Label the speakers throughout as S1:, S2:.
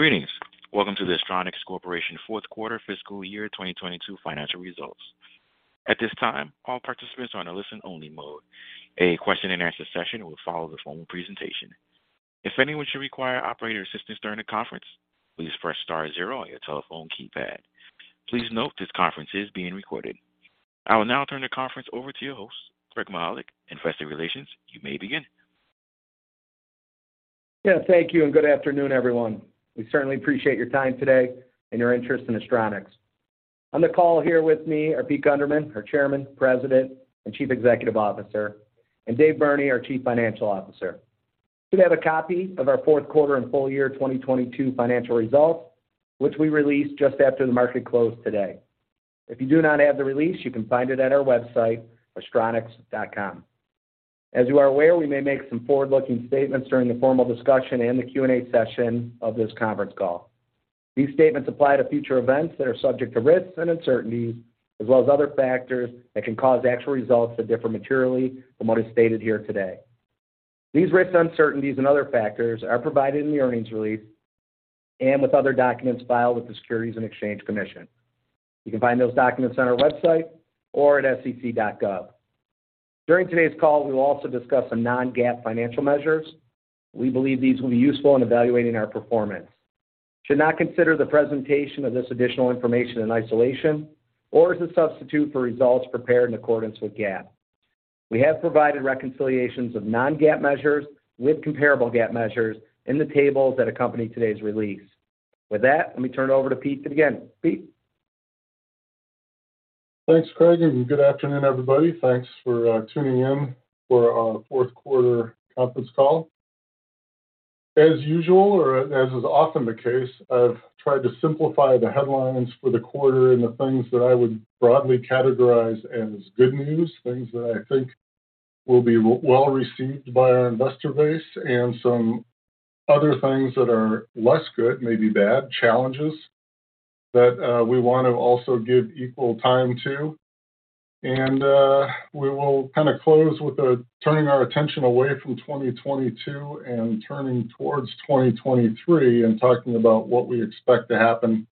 S1: Greetings. Welcome to the Astronics Corporation fourth quarter fiscal year 2022 financial results. At this time, all participants are on a listen-only mode. A question and answer session will follow the formal presentation. If anyone should require operator assistance during the conference, please press star zero on your telephone keypad. Please note this conference is being recorded. I will now turn the conference over to your host, Craig Mychajluk, Investor Relations. You may begin.
S2: Yeah. Thank you, and good afternoon, everyone. We certainly appreciate your time today and your interest in Astronics. On the call here with me are Peter Gundermann, our Chairman, President, and Chief Executive Officer, and Dave Burney, our Chief Financial Officer. You should have a copy of our fourth quarter and full year 2022 financial results, which we released just after the market closed today. If you do not have the release, you can find it at our website, astronics.com. As you are aware, we may make some forward-looking statements during the formal discussion and the Q&A session of this conference call. These statements apply to future events that are subject to risks and uncertainties, as well as other factors that can cause actual results to differ materially from what is stated here today. These risks and uncertainties and other factors are provided in the earnings release and with other documents filed with the Securities and Exchange Commission. You can find those documents on our website or at sec.gov. During today's call, we will also discuss some Non-GAAP financial measures. We believe these will be useful in evaluating our performance. You should not consider the presentation of this additional information in isolation or as a substitute for results prepared in accordance with GAAP. We have provided reconciliations of Non-GAAP measures with comparable GAAP measures in the tables that accompany today's release. Let me turn it over to Pete to begin. Pete?
S3: Thanks, Craig. Good afternoon, everybody. Thanks for tuning in for our fourth quarter conference call. As usual or as is often the case, I've tried to simplify the headlines for the quarter and the things that I would broadly categorize as good news, things that I think will be well received by our investor base, and some other things that are less good, maybe bad, challenges that we want to also give equal time to. We will kind of close with turning our attention away from 2022 and turning towards 2023 and talking about what we expect to happen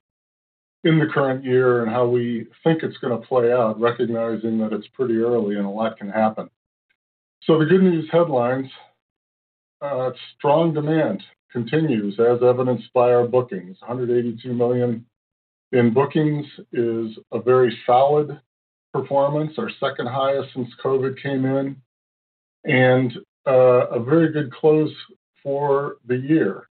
S3: in the current year and how we think it's gonna play out, recognizing that it's pretty early and a lot can happen. The good news headlines. Strong demand continues as evidenced by our bookings. $182 million in bookings is a very solid performance. Our second highest since COVID came in, and a very good close for the year.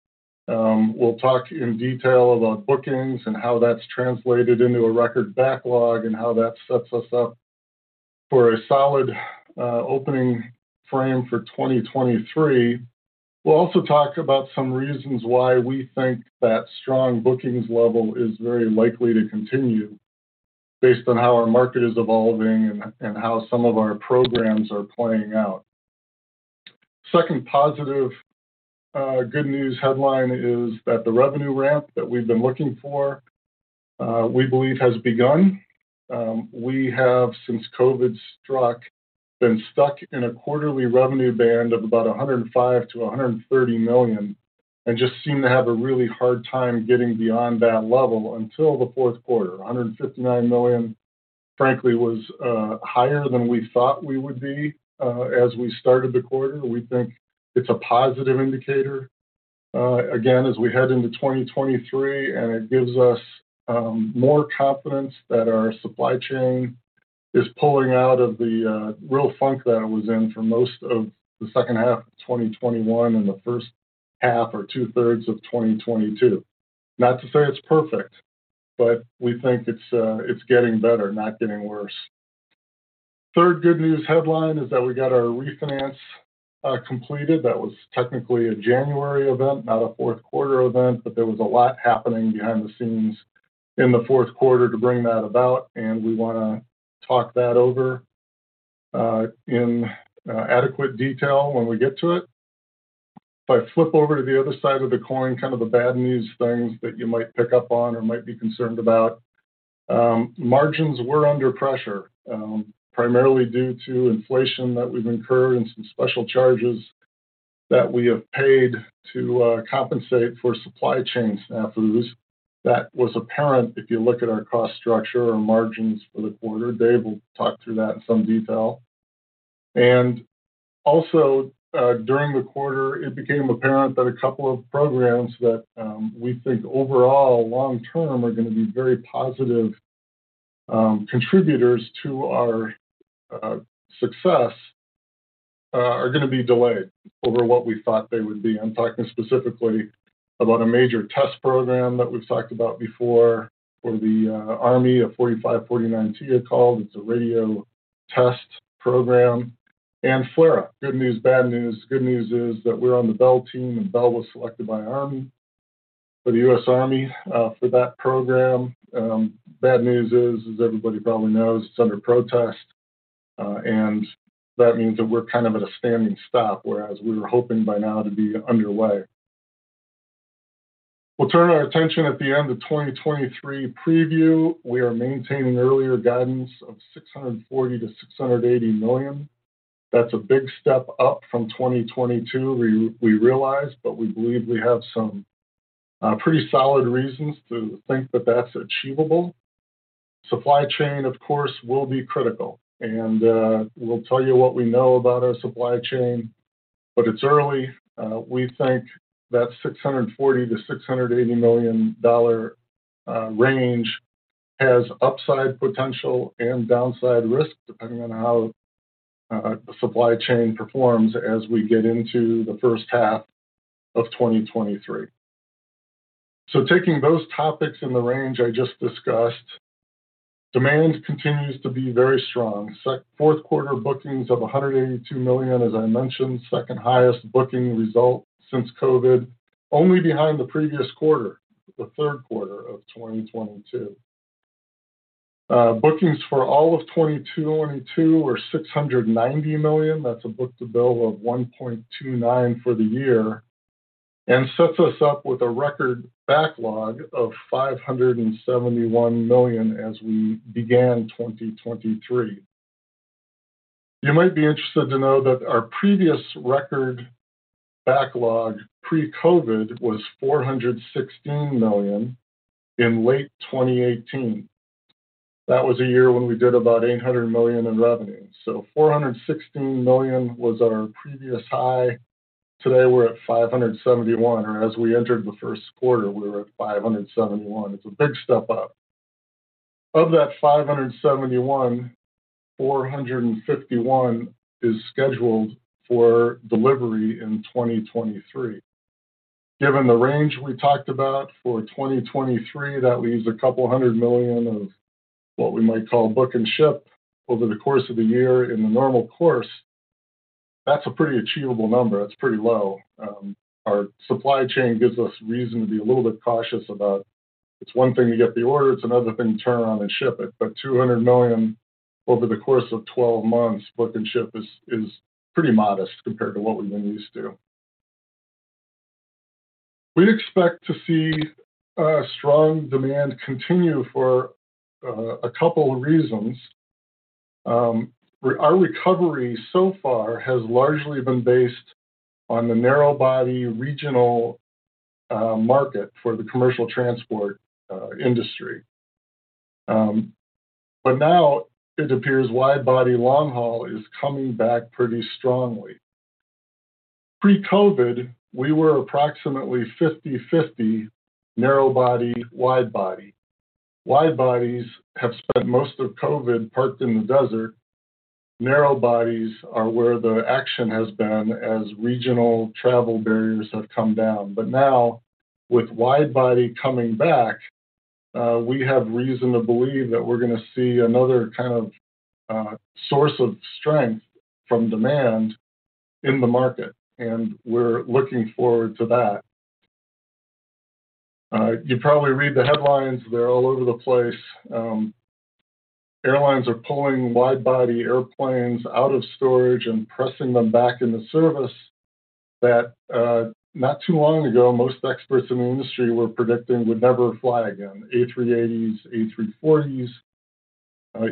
S3: We'll talk in detail about bookings and how that's translated into a record backlog and how that sets us up for a solid opening frame for 2023. We'll also talk about some reasons why we think that strong bookings level is very likely to continue based on how our market is evolving and how some of our programs are playing out. Second positive, good news headline is that the revenue ramp that we've been looking for, we believe has begun. We have, since COVID struck, been stuck in a quarterly revenue band of about $105 million-$130 million and just seemed to have a really hard time getting beyond that level until the fourth quarter. $159 million, frankly, was higher than we thought we would be as we started the quarter. We think it's a positive indicator again, as we head into 2023, and it gives us more confidence that our supply chain is pulling out of the real funk that it was in for most of the second half of 2021 and the first half or two-thirds of 2022. Not to say it's perfect, but we think it's getting better, not getting worse. Third good news headline is that we got our refinance completed. That was technically a January event, not a fourth quarter event, but there was a lot happening behind the scenes in the fourth quarter to bring that about, and we wanna talk that over in adequate detail when we get to it. If I flip over to the other side of the coin, kind of the bad news things that you might pick up on or might be concerned about. Margins were under pressure, primarily due to inflation that we've incurred and some special charges that we have paid to compensate for supply chain snafus. That was apparent if you look at our cost structure or margins for the quarter. Dave will talk through that in some detail. Also, during the quarter, it became apparent that a couple of programs that we think overall long term are gonna be very positive contributors to our success are gonna be delayed over what we thought they would be. I'm talking specifically about a major test program that we've talked about before for the Army, a TS-4549/T called.It's a radio test program. FLRAA. Good news, bad news. Good news is that we're on the Bell team, and Bell was selected by Army, for the U.S. Army for that program. Bad news is, as everybody probably knows, it's under protest, and that means that we're kind of at a standing stop, whereas we were hoping by now to be underway. We'll turn our attention at the end to 2023 preview. We are maintaining earlier guidance of $640 million-$680 million. That's a big step up from 2022, we realize, but we believe we have some pretty solid reasons to think that that's achievable. Supply chain, of course, will be critical, and we'll tell you what we know about our supply chain, but it's early. We think that $640 million-$680 million dollar range has upside potential and downside risk, depending on how the supply chain performs as we get into the first half of 2023. Taking those topics in the range I just discussed, demand continues to be very strong. Fourth quarter bookings of $182 million, as I mentioned, second highest booking result since COVID, only behind the previous quarter, the third quarter of 2022. Bookings for all of 2022 were $690 million. That's a book-to-bill of 1.29 for the year. Sets us up with a record backlog of $571 million as we began 2023. You might be interested to know that our previous record backlog pre-COVID was $416 million in late 2018. That was a year when we did about $800 million in revenue. $416 million was our previous high. Today, we're at $571 million, or as we entered the first quarter, we were at $571 million. It's a big step up. Of that $571 million, $451 million is scheduled for delivery in 2023. Given the range we talked about for 2023, that leaves $200 million of what we might call book and ship over the course of the year in the normal course. That's a pretty achievable number. That's pretty low. Our supply chain gives us reason to be a little bit cautious about it's one thing to get the order, it's another thing to turn around and ship it. $200 million over the course of 12 months book and ship is pretty modest compared to what we've been used to. We expect to see strong demand continue for a couple of reasons. Our recovery so far has largely been based on the narrow body regional market for the commercial transport industry. Now it appears wide body long haul is coming back pretty strongly. Pre-COVID, we were approximately 50/50 narrow body, wide body. Wide bodies have spent most of COVID parked in the desert. Narrow bodies are where the action has been as regional travel barriers have come down. But now, with wide body coming back, we have reason to believe that we're gonna see another kind of, source of strength from demand in the market, and we're looking forward to that. You probably read the headlines. They're all over the place. Airlines are pulling wide body airplanes out of storage and pressing them back into service that, not too long ago, most experts in the industry were predicting would never fly again. A380s, A340s,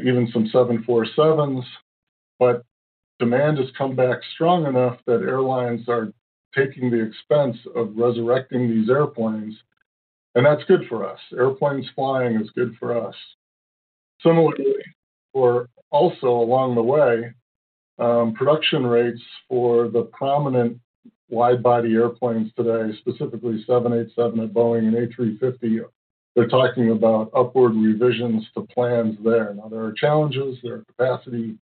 S3: even some 747s. But demand has come back strong enough that airlines are taking the expense of resurrecting these airplanes, and that's good for us. Airplanes flying is good for us. Similarly, or also along the way, production rates for the prominent wide body airplanes today, specifically 787 at Boeing and A350, they're talking about upward revisions to plans there. There are challenges, there are capacity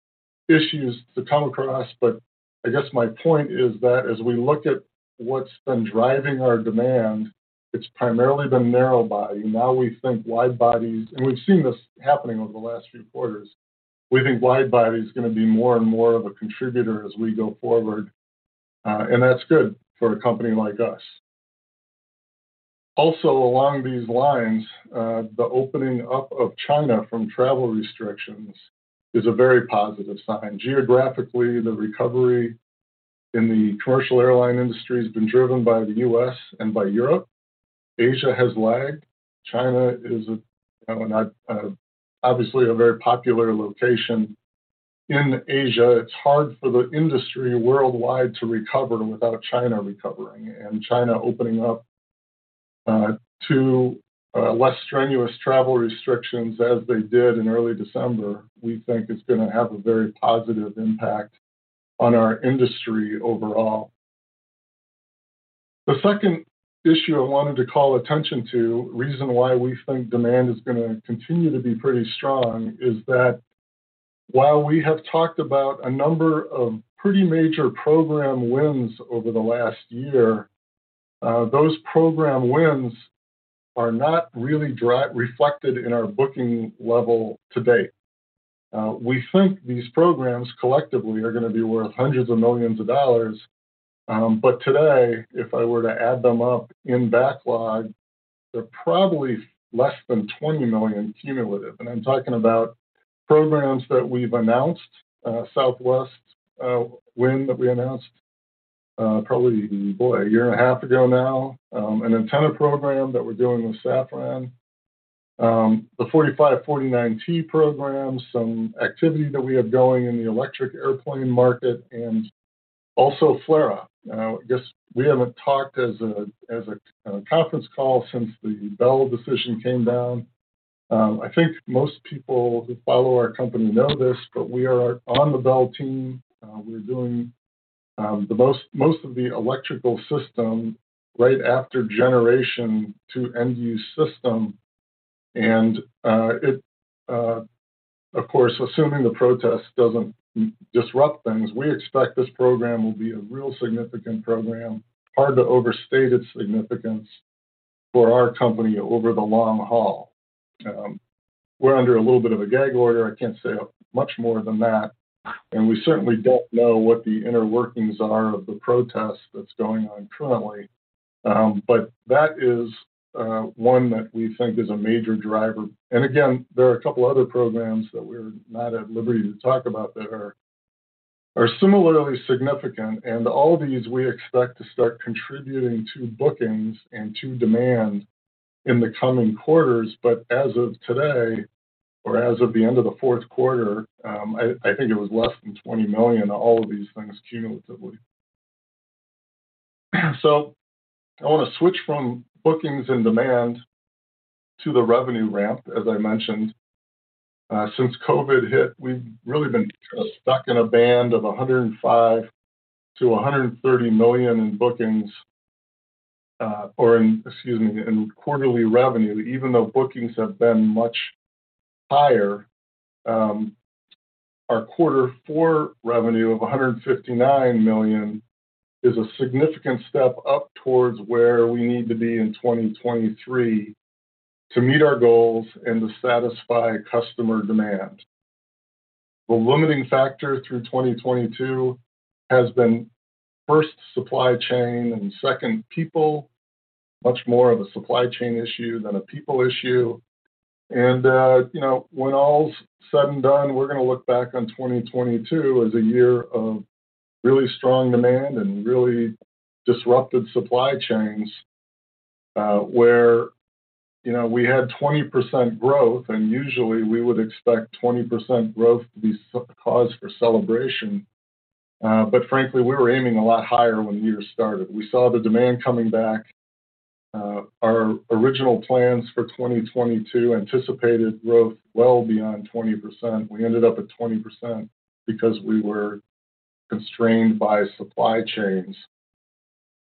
S3: issues to come across, but I guess my point is that as we look at what's been driving our demand, it's primarily been narrow body. We think wide bodies, and we've seen this happening over the last few quarters, we think wide body's gonna be more and more of a contributor as we go forward, and that's good for a company like us. Also along these lines, the opening up of China from travel restrictions is a very positive sign. Geographically, the recovery in the commercial airline industry has been driven by the U.S. and by Europe. Asia has lagged. China is, you know, obviously a very popular location in Asia. It's hard for the industry worldwide to recover without China recovering. China opening up to less strenuous travel restrictions as they did in early December, we think is gonna have a very positive impact on our industry overall. The second issue I wanted to call attention to, reason why we think demand is gonna continue to be pretty strong, is that while we have talked about a number of pretty major program wins over the last year, those program wins are not really reflected in our booking level to date. We think these programs collectively are gonna be worth hundreds of millions of dollars, but today, if I were to add them up in backlog, they're probably less than $20 million cumulative. I'm talking about programs that we've announced, Southwest win that we announced, probably, boy, a year and a half ago now. An antenna program that we're doing with Safran. The TS-4549/T program, some activity that we have going in the electric airplane market and also FLRAA. I guess we haven't talked as a conference call since the Bell decision came down. I think most people who follow our company know this, but we are on the Bell team. We're doing most of the electrical system right after generation to end-use system. Of course, assuming the protest doesn't disrupt things, we expect this program will be a real significant program. Hard to overstate its significance for our company over the long haul. We're under a little bit of a gag order. I can't say much more than that. We certainly don't know what the inner workings are of the protest that's going on currently. That is one that we think is a major driver. Again, there are a couple other programs that we're not at liberty to talk about that are similarly significant. All of these we expect to start contributing to bookings and to demand in the coming quarters. As of today, or as of the end of the fourth quarter, I think it was less than $20 million, all of these things cumulatively. I want to switch from bookings and demand to the revenue ramp, as I mentioned. Since COVID hit, we've really been stuck in a band of 105 to $130 million in bookings, or in, excuse me, in quarterly revenue, even though bookings have been much higher. Our quarter four revenue of $159 million is a significant step up towards where we need to be in 2023 to meet our goals and to satisfy customer demand. The limiting factor through 2022 has been, first, supply chain, and second, people. Much more of a supply chain issue than a people issue. You know, when all's said and done, we're gonna look back on 2022 as a year of really strong demand and really disrupted supply chains, where, you know, we had 20% growth, and usually we would expect 20% growth to be cause for celebration. Frankly, we were aiming a lot higher when the year started. We saw the demand coming back. Our original plans for 2022 anticipated growth well beyond 20%. We ended up at 20% because we were constrained by supply chains.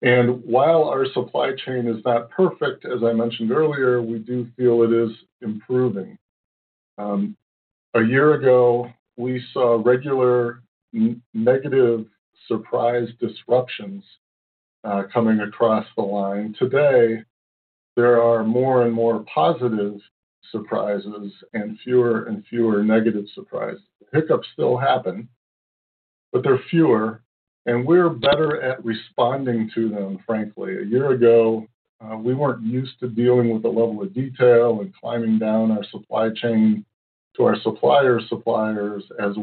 S3: While our supply chain is not perfect, as I mentioned earlier, we do feel it is improving. A year ago, we saw regular negative surprise disruptions coming across the line. Today, there are more and more positive surprises and fewer and fewer negative surprises. Hiccups still happen, but they're fewer, and we're better at responding to them, frankly. A year ago, we weren't used to dealing with the level of detail and climbing down our supply chain to our supplier's suppliers as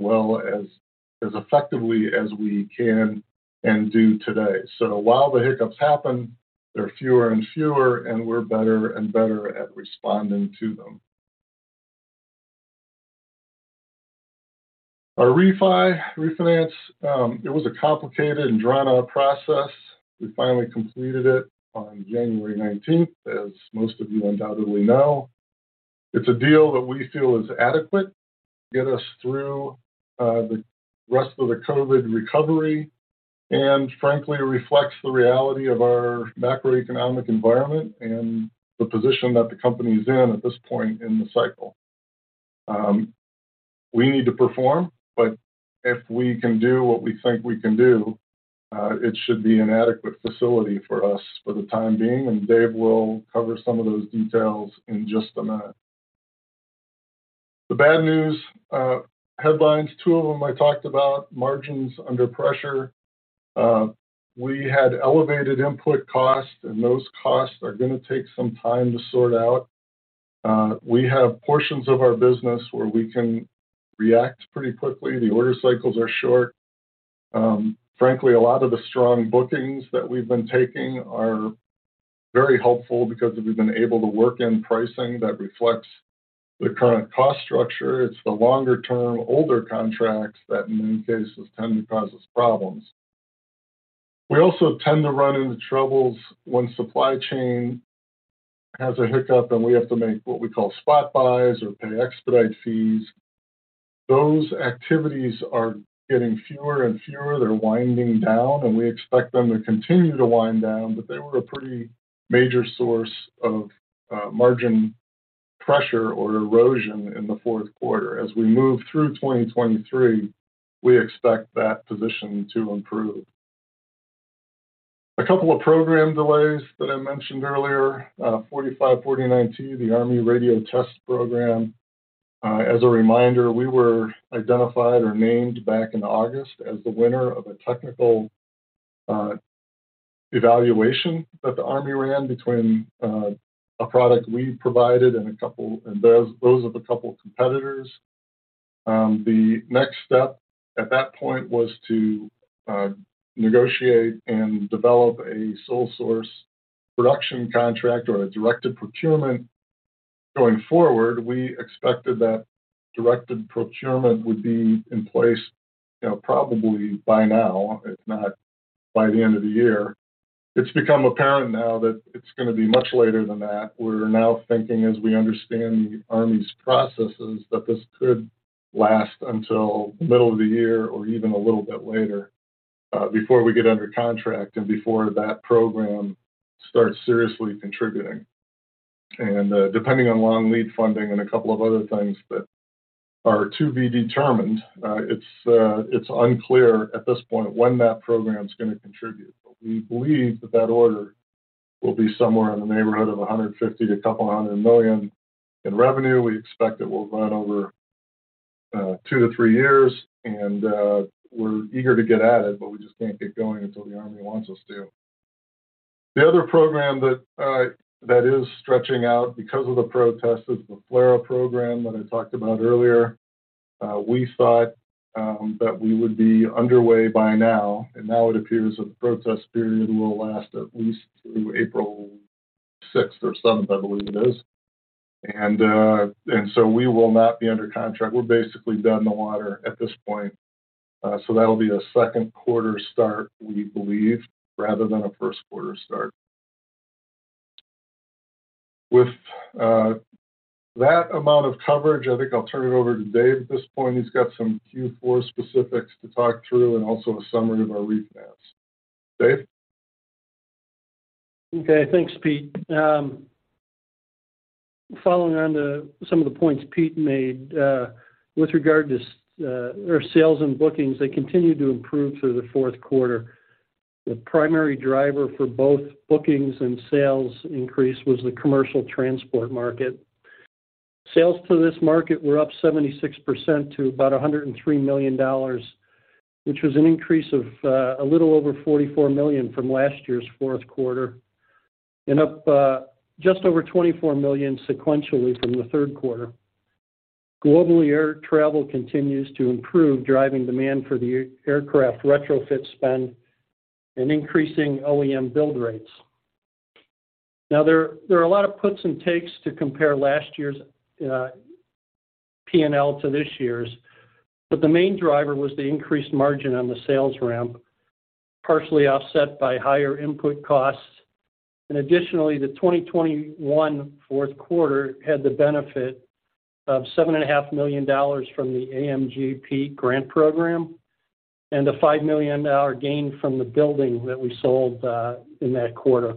S3: well as effectively as we can and do today. While the hiccups happen, they're fewer and fewer, and we're better and better at responding to them. Our refi, refinance, it was a complicated and drawn-out process. We finally completed it on January nineteenth, as most of you undoubtedly know. It's a deal that we feel is adequate to get us through, the rest of the COVID recovery and frankly reflects the reality of our macroeconomic environment and the position that the company is in at this point in the cycle. We need to perform, but if we can do what we think we can do, it should be an adequate facility for us for the time being, and Dave will cover some of those details in just a minute. The bad news, headlines, two of them I talked about, margins under pressure. We had elevated input costs, and those costs are gonna take some time to sort out. We have portions of our business where we can react pretty quickly. The order cycles are short. Frankly, a lot of the strong bookings that we've been taking are very helpful because we've been able to work in pricing that reflects the current cost structure. It's the longer-term, older contracts that in many cases tend to cause us problems. We also tend to run into troubles when supply chain has a hiccup, and we have to make what we call spot buys or pay expedite fees. Those activities are getting fewer and fewer. They're winding down, and we expect them to continue to wind down, but they were a pretty major source of margin pressure or erosion in the fourth quarter. As we move through 2023, we expect that position to improve. A couple of program delays that I mentioned earlier, TS-4549/T, the U.S. Army radio test set program. As a reminder, we were identified or named back in August as the winner of a technical evaluation that the U.S. Army ran between a product we provided and those of a couple competitors. The next step at that point was to negotiate and develop a sole source production contract or a directed procurement. Going forward, we expected that directed procurement would be in place, you know, probably by now, if not by the end of the year. It's become apparent now that it's gonna be much later than that. We're now thinking as we understand the Army's processes, that this could last until the middle of the year or even a little bit later, before we get under contract and before that program starts seriously contributing. Depending on long lead funding and a couple of other things that are to be determined, it's unclear at this point when that program's gonna contribute. We believe that that order will be somewhere in the neighborhood of $150 million-$200 million in revenue. We expect it will run over 2 to 3 years, and we're eager to get at it, but we just can't get going until the Army wants us to. The other program that is stretching out because of the protest is the FLRAA program that I talked about earlier. We thought that we would be underway by now, it appears that the protest period will last at least through April 6th or 7th, I believe it is. We will not be under contract. We're basically dead in the water at this point. That'll be a 2nd quarter start, we believe, rather than a 1st quarter start. With that amount of coverage, I think I'll turn it over to Dave at this point. He's got some Q4 specifics to talk through and also a summary of our refinance. Dave?
S4: Okay. Thanks, Pete. Following on to some of the points Pete made, with regard to our sales and bookings, they continued to improve through the fourth quarter. The primary driver for both bookings and sales increase was the commercial transport market. Sales to this market were up 76% to about $103 million, which was an increase of a little over $44 million from last year's fourth quarter and up just over $24 million sequentially from the third quarter. Globally, air travel continues to improve, driving demand for the aircraft retrofit spend and increasing OEM build rates. There are a lot of puts and takes to compare last year's P&L to this year's, but the main driver was the increased margin on the sales ramp, partially offset by higher input costs. Additionally, the 2021 fourth quarter had the benefit of $7.5 million from the AMJP grant program and a $5 million gain from the building that we sold in that quarter.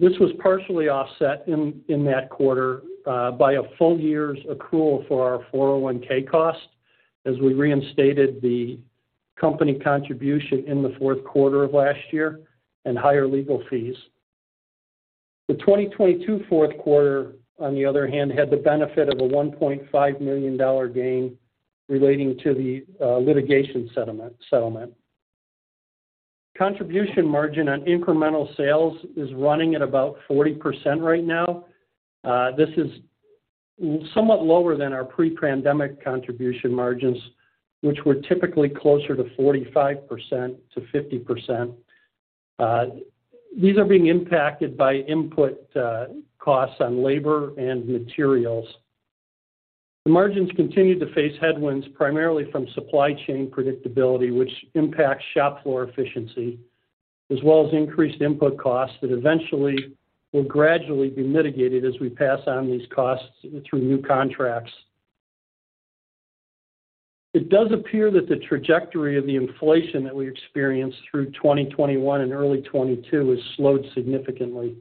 S4: This was partially offset in that quarter by a full year's accrual for our 401(k) cost as we reinstated the company contribution in the fourth quarter of last year and higher legal fees. The 2022 fourth quarter, on the other hand, had the benefit of a $1.5 million gain relating to the litigation settlement. Contribution margin on incremental sales is running at about 40% right now. This is somewhat lower than our pre-pandemic contribution margins, which were typically closer to 45%-50%. These are being impacted by input costs on labor and materials. The margins continue to face headwinds primarily from supply chain predictability, which impacts shop floor efficiency, as well as increased input costs that eventually will gradually be mitigated as we pass on these costs through new contracts. It does appear that the trajectory of the inflation that we experienced through 2021 and early 2022 has slowed significantly.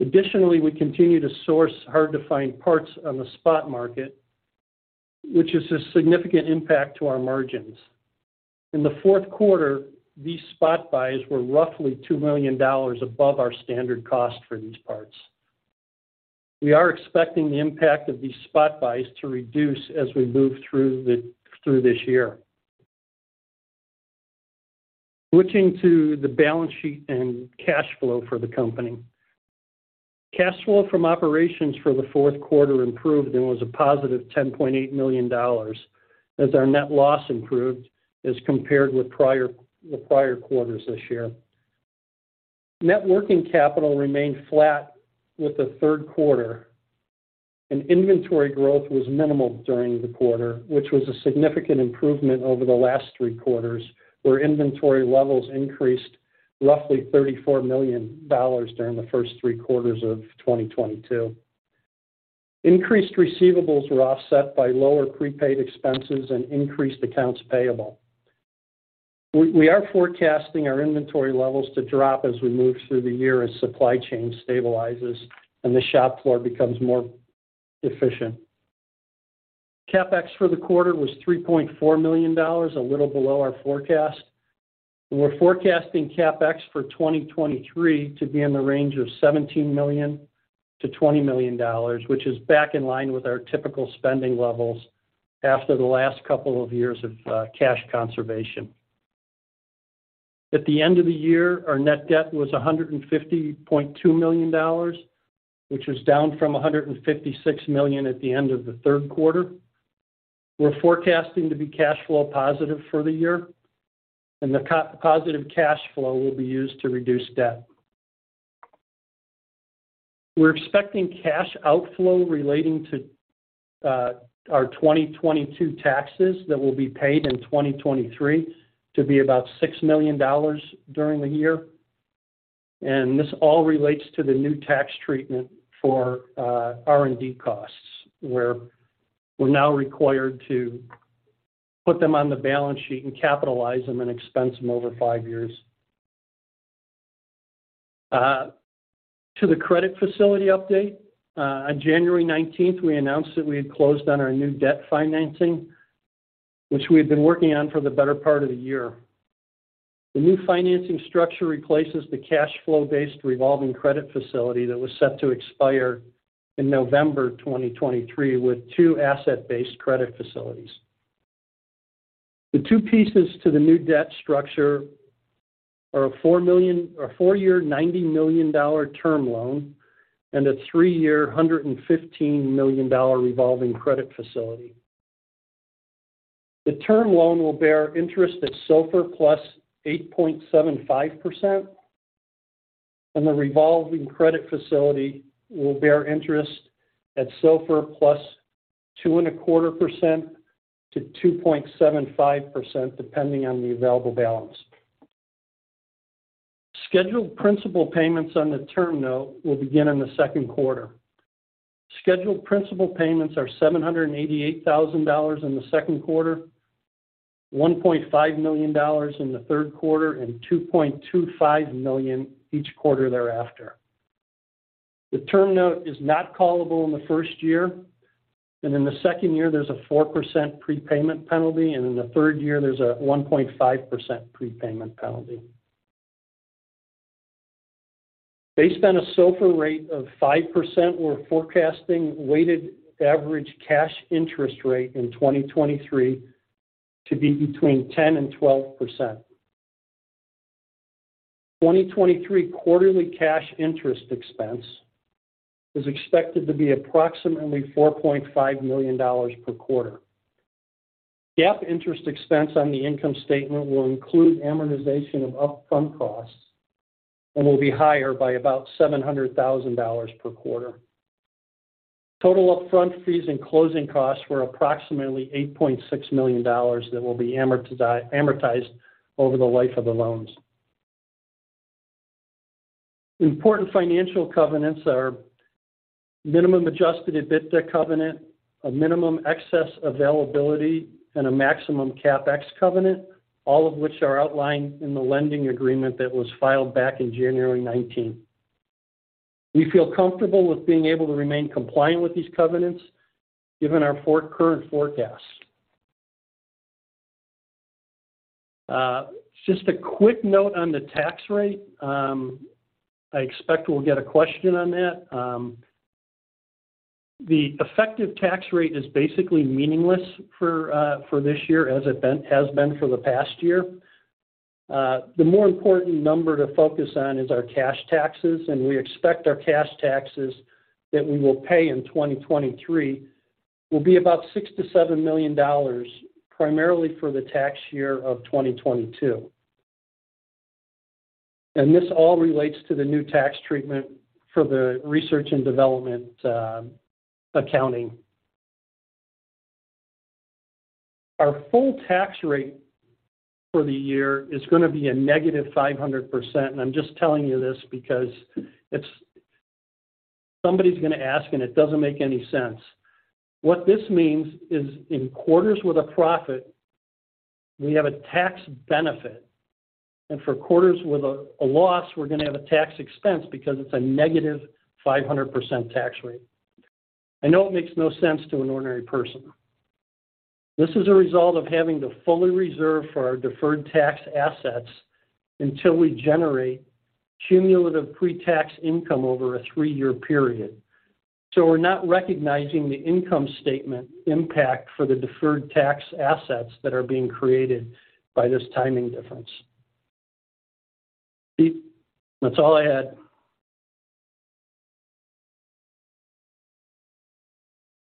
S4: We continue to source hard-to-find parts on the spot market, which is a significant impact to our margins. In the fourth quarter, these spot buys were roughly $2 million above our standard cost for these parts. We are expecting the impact of these spot buys to reduce as we move through this year. Switching to the balance sheet and cash flow for the company. Cash flow from operations for the fourth quarter improved and was a positive $10.8 million as our net loss improved as compared with prior quarters this year. Net working capital remained flat with the third quarter, inventory growth was minimal during the quarter, which was a significant improvement over the last three quarters, where inventory levels increased roughly $34 million during the first three quarters of 2022. Increased receivables were offset by lower prepaid expenses and increased accounts payable. We are forecasting our inventory levels to drop as we move through the year as supply chain stabilizes and the shop floor becomes more efficient. CapEx for the quarter was $3.4 million, a little below our forecast. We're forecasting CapEx for 2023 to be in the range of $17 million-$20 million, which is back in line with our typical spending levels after the last couple of years of cash conservation. At the end of the year, our net debt was $150.2 million, which was down from $156 million at the end of the third quarter. We're forecasting to be cash flow positive for the year, the positive cash flow will be used to reduce debt. We're expecting cash outflow relating to our 2022 taxes that will be paid in 2023 to be about $6 million during the year. This all relates to the new tax treatment for R&D costs, where we're now required to put them on the balance sheet and capitalize them and expense them over 5 years. To the credit facility update, on January 19th, we announced that we had closed on our new debt financing, which we had been working on for the better part of the year. The new financing structure replaces the cash flow-based revolving credit facility that was set to expire in November 2023 with two asset-based credit facilities. The two pieces to the new debt structure are a 4-year $90 million term loan and a 3-year $115 million revolving credit facility. The term loan will bear interest at SOFR plus 8.75%, and the revolving credit facility will bear interest at SOFR plus 2.25% to 2.75%, depending on the available balance. Scheduled principal payments on the term note will begin in the second quarter. Scheduled principal payments are $788,000 in the second quarter, $1.5 million in the third quarter, and $2.25 million each quarter thereafter. The term note is not callable in the first year, and in the second year, there's a 4% prepayment penalty, and in the third year, there's a 1.5% prepayment penalty. Based on a SOFR rate of 5%, we're forecasting weighted average cash interest rate in 2023 to be between 10% and 12%. 2023 quarterly cash interest expense is expected to be approximately $4.5 million per quarter. GAAP interest expense on the income statement will include amortization of upfront costs and will be higher by about $700,000 per quarter. Total upfront fees and closing costs were approximately $8.6 million that will be amortized over the life of the loans. Important financial covenants are minimum adjusted EBITDA covenant, a minimum excess availability, and a maximum CapEx covenant, all of which are outlined in the lending agreement that was filed back in January 19th. We feel comfortable with being able to remain compliant with these covenants given our current forecast. Just a quick note on the tax rate. I expect we'll get a question on that. The effective tax rate is basically meaningless for this year, as it has been for the past year. The more important number to focus on is our cash taxes, we expect our cash taxes that we will pay in 2023 will be about $6 million-$7 million, primarily for the tax year of 2022. This all relates to the new tax treatment for the research and development accounting. Our full tax rate for the year is going to be a negative 500%. I'm just telling you this because somebody's going to ask, and it doesn't make any sense. What this means is in quarters with a profit, we have a tax benefit, and for quarters with a loss, we're going to have a tax expense because it's a negative 500% tax rate. I know it makes no sense to an ordinary person. This is a result of having to fully reserve for our deferred tax assets until we generate cumulative pre-tax income over a three-year period. We're not recognizing the income statement impact for the deferred tax assets that are being created by this timing difference. Pete. That's all I had.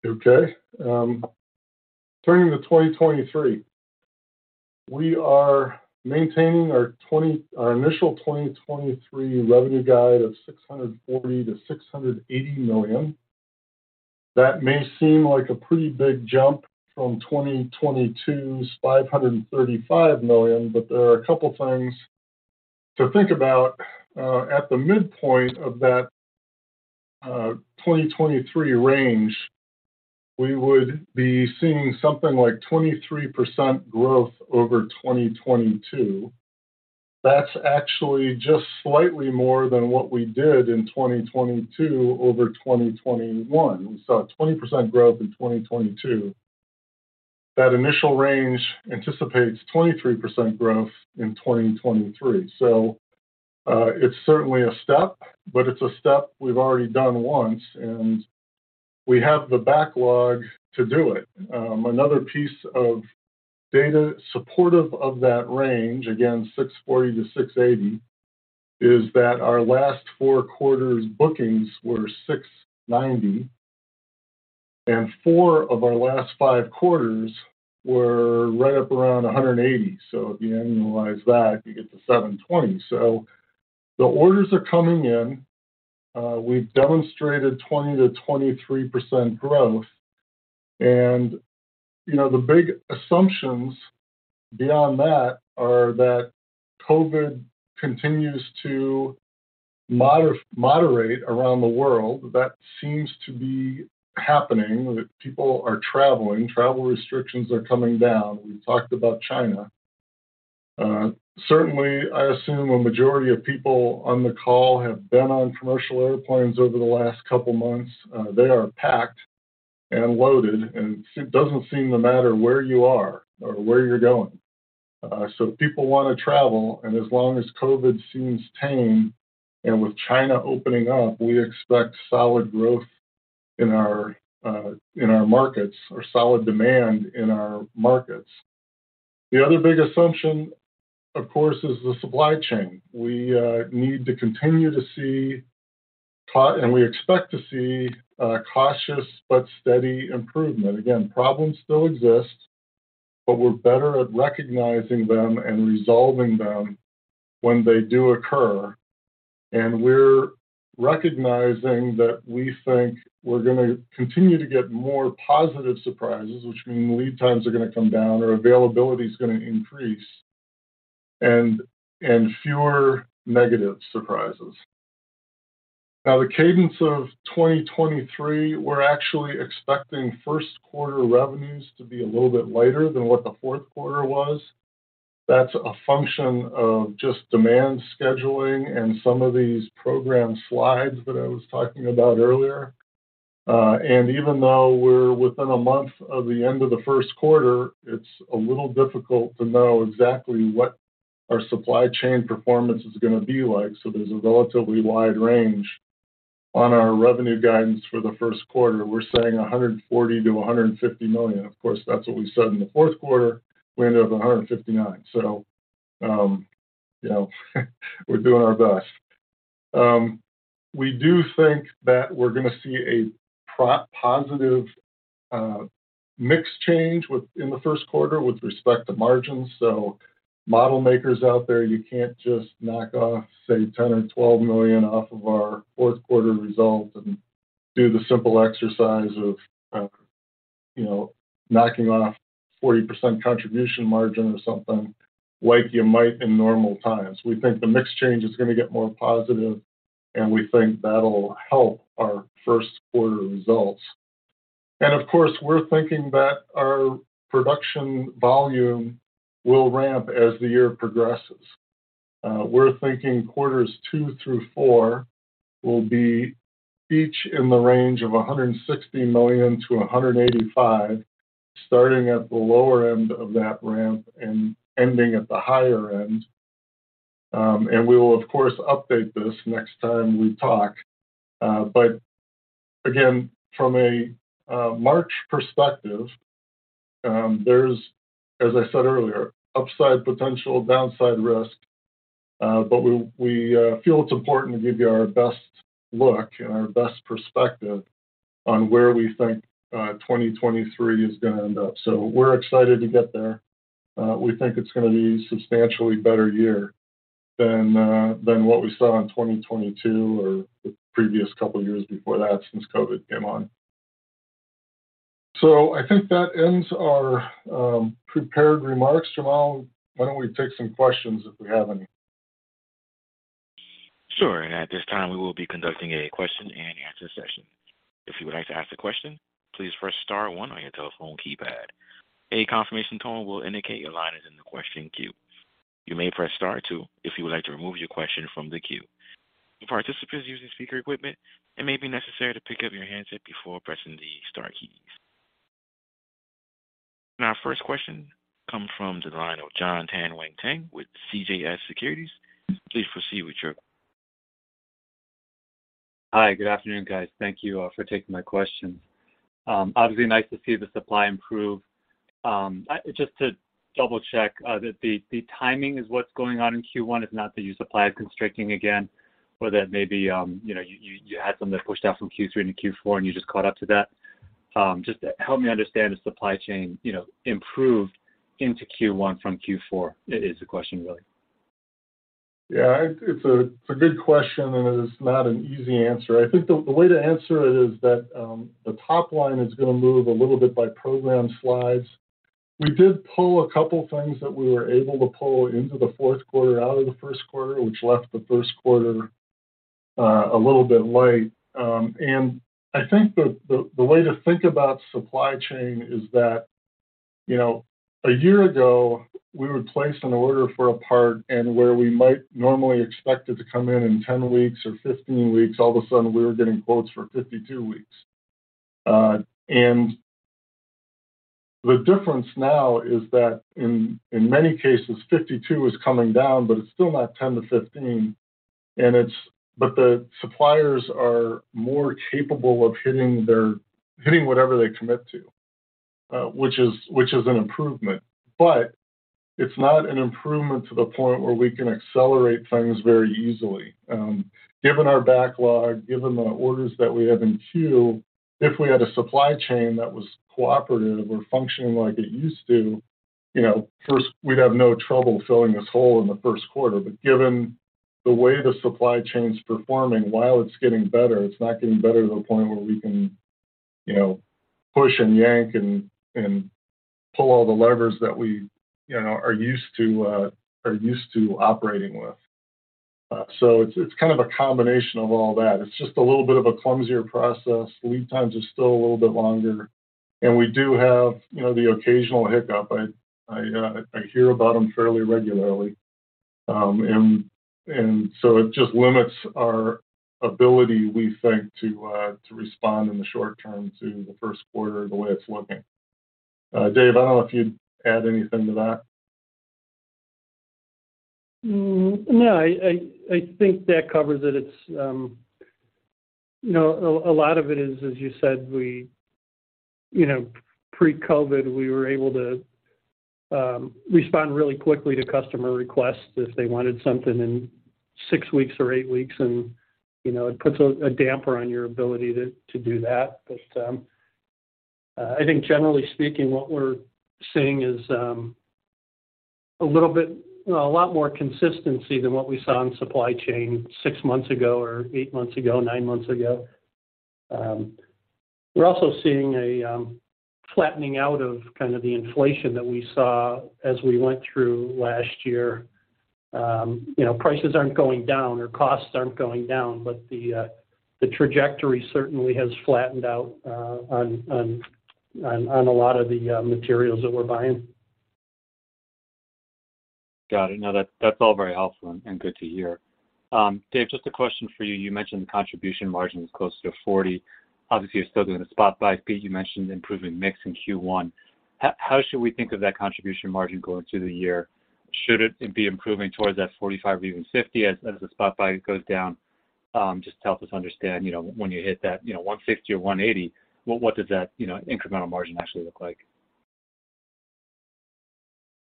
S3: Okay. Turning to 2023. We are maintaining our initial 2023 revenue guide of $640 million-$680 million. That may seem like a pretty big jump from 2022's $535 million, but there are a couple things to think about. At the midpoint of that 2023 range, we would be seeing something like 23% growth over 2022. That's actually just slightly more than what we did in 2022 over 2021. We saw 20% growth in 2022. That initial range anticipates 23% growth in 2023. It's certainly a step, but it's a step we've already done once and We have the backlog to do it. Another piece of data supportive of that range, again, $640-$680, is that our last four quarters bookings were $690, and four of our last five quarters were right up around $180. If you annualize that, you get to $720. The orders are coming in. We've demonstrated 20%-23% growth. You know, the big assumptions beyond that are that COVID continues to moderate around the world. That seems to be happening, that people are traveling, travel restrictions are coming down. We've talked about China. Certainly, I assume a majority of people on the call have been on commercial airplanes over the last couple months. They are packed and loaded, and it doesn't seem to matter where you are or where you're going. People wanna travel, as long as COVID seems tame, and with China opening up, we expect solid growth in our markets or solid demand in our markets. The other big assumption, of course, is the supply chain. We expect to see a cautious but steady improvement. Again, problems still exist, but we're better at recognizing them and resolving them when they do occur. We're recognizing that we think we're gonna continue to get more positive surprises, which mean lead times are gonna come down or availability is gonna increase, and fewer negative surprises. The cadence of 2023, we're actually expecting first quarter revenues to be a little bit lighter than what the fourth quarter was. That's a function of just demand scheduling and some of these program slides that I was talking about earlier. Even though we're within a month of the end of the first quarter, it's a little difficult to know exactly what our supply chain performance is gonna be like. There's a relatively wide range on our revenue guidance for the first quarter. We're saying $140 million-$150 million. Of course, that's what we said in the fourth quarter. We ended up with $159 million. you know, we're doing our best. We do think that we're gonna see a positive mix change in the first quarter with respect to margins. Model makers out there, you can't just knock off, say, $10 million or $12 million off of our fourth quarter results and do the simple exercise of, you know, knocking off 40% contribution margin or something like you might in normal times. We think the mix change is gonna get more positive, and we think that'll help our first quarter results. Of course, we're thinking that our production volume will ramp as the year progresses. We're thinking quarters two through four will be each in the range of $160 million to $185 million, starting at the lower end of that ramp and ending at the higher end. We will of course update this next time we talk. Again, from a March perspective, there's, as I said earlier, upside potential, downside risk, but we feel it's important to give you our best look and our best perspective on where we think 2023 is gonna end up. We're excited to get there. We think it's gonna be a substantially better year than than what we saw in 2022 or the previous couple of years before that since COVID came on. I think that ends our prepared remarks. Jamal, why don't we take some questions if we have any?
S1: Sure. At this time, we will be conducting a question-and-answer session. If you would like to ask a question, please press star one on your telephone keypad. A confirmation tone will indicate your line is in the question queue. You may press star two if you would like to remove your question from the queue. For participants using speaker equipment, it may be necessary to pick up your handset before pressing the star keys. Our first question comes from the line of Jonathan Tanwanteng with CJS Securities. Please proceed with your question.
S5: Hi. Good afternoon, guys. Thank you for taking my question. Obviously nice to see the supply improve. Just to double-check that the timing is what's going on in Q1 is not that you supply is constricting again or that maybe, you know, you had something that pushed out from Q3 into Q4, and you just caught up to that. Just help me understand the supply chain, you know, improved into Q1 from Q4 is the question really?
S3: Yeah. It's a good question. It is not an easy answer. I think the way to answer it is that the top line is gonna move a little bit by program slides. We did pull a couple things that we were able to pull into the fourth quarter out of the first quarter, which left the first quarter a little bit light. I think the way to think about supply chain is that, you know, a year ago, we would place an order for a part, and where we might normally expect it to come in in 10 weeks or 15 weeks, all of a sudden, we were getting quotes for 52 weeks. The difference now is that in many cases, 52 is coming down, but it's still not 10 to 15. The suppliers are more capable of hitting whatever they commit to, which is an improvement. It's not an improvement to the point where we can accelerate things very easily. Given our backlog, given the orders that we have in queue, if we had a supply chain that was cooperative or functioning like it used to, you know, first, we'd have no trouble filling this hole in the first quarter. Given the way the supply chain's performing, while it's getting better, it's not getting better to the point where we can, you know, push and yank and pull all the levers that we, you know, are used to operating with. It's kind of a combination of all that. It's just a little bit of a clumsier process. Lead times are still a little bit longer. We do have, you know, the occasional hiccup. I hear about them fairly regularly. So it just limits our ability, we think, to respond in the short term to the first quarter the way it's looking. Dave, I don't know if you'd add anything to that.
S4: No, I think that covers it. It's. You know, a lot of it is, as you said, we, you know, pre-COVID, we were able to respond really quickly to customer requests if they wanted something in six weeks or eight weeks. You know, it puts a damper on your ability to do that. I think generally speaking, what we're seeing is a little bit. You know, a lot more consistency than what we saw in supply chain six months ago or eight months ago, nine months ago. We're also seeing a flattening out of kind of the inflation that we saw as we went through last year. You know, prices aren't going down or costs aren't going down, but the trajectory certainly has flattened out, on a lot of the materials that we're buying.
S5: Got it. No, that's all very helpful and good to hear. Dave, just a question for you. You mentioned the contribution margin was close to 40%. Obviously, you're still doing the spot buys. Pete, you mentioned improving mix in Q1. How should we think of that contribution margin going through the year? Should it be improving towards that 45% or even 50% as the spot buy goes down? Just to help us understand, you know, when you hit that, you know, $160 or $180, what does that, you know, incremental margin actually look like?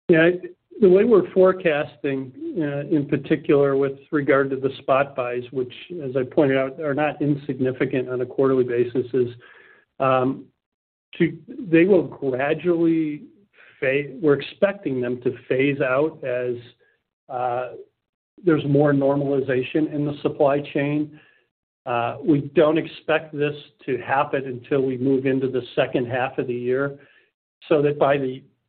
S4: Yeah. The way we're forecasting, in particular with regard to the spot buys, which as I pointed out are not insignificant on a quarterly basis, is, We're expecting them to phase out as there's more normalization in the supply chain. We don't expect this to happen until we move into the second half of the year, so that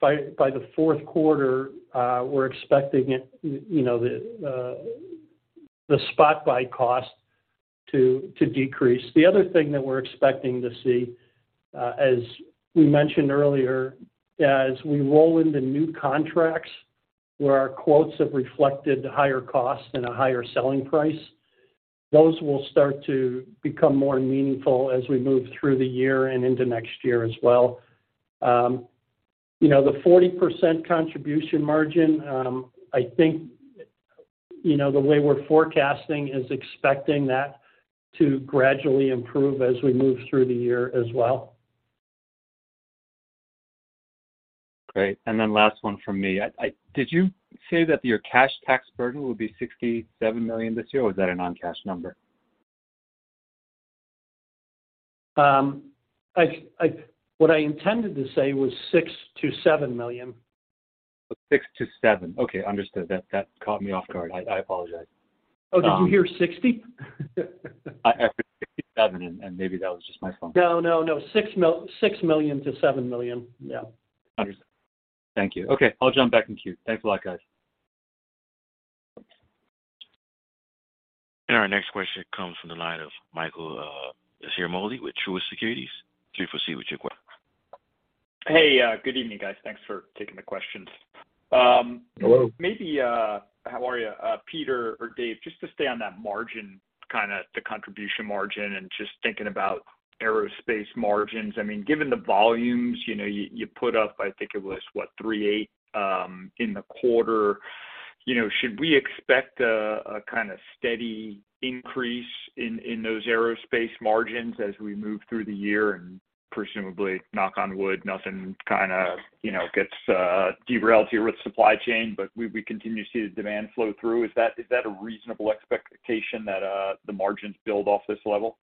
S4: by the fourth quarter, we're expecting it, you know, the spot buy cost to decrease. The other thing that we're expecting to see, as we mentioned earlier, as we roll into new contracts where our quotes have reflected higher costs and a higher selling price, those will start to become more meaningful as we move through the year and into next year as well. You know, the 40% contribution margin, I think, you know, the way we're forecasting is expecting that to gradually improve as we move through the year as well.
S5: Great. Last one from me. Did you say that your cash tax burden will be $67 million this year, or was that a non-cash number?
S4: What I intended to say was $6 million-$7 million.
S5: Six to seven. Okay, understood. That, that caught me off guard. I apologize.
S4: Oh, did you hear 60?
S5: I heard 67 and maybe that was just my phone.
S4: No, no. $6 million-$7 million. Yeah.
S5: Understood. Thank you. Okay, I'll jump back in queue. Thanks a lot, guys.
S1: Our next question comes from the line of Michael Ciarmoli with Truist Securities. Please proceed with your question.
S6: Hey, good evening, guys. Thanks for taking the questions.
S3: Hello.
S6: How are ya? Peter or Dave, just to stay on that margin, kinda the contribution margin and just thinking about aerospace margins. I mean, given the volumes, you know, you put up, I think it was what, three eight, in the quarter. You know, should we expect a kind of steady increase in those aerospace margins as we move through the year and presumably, knock on wood, nothing kinda, you know, gets derailed here with supply chain, but we continue to see the demand flow through? Is that a reasonable expectation that the margins build off this level?